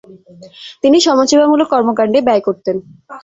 তিনি সমাজসেবামূলক কর্মকাণ্ডে ব্যয় করতেন।